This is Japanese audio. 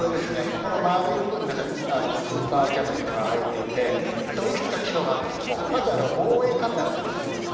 この丸い部分の中にスーパーカムっていうのが入っていていくつか機能があるんですけどもまず望遠カメラがあります。